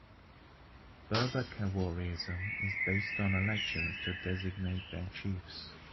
Berber Khawarijism is based on elections to designate their chiefs.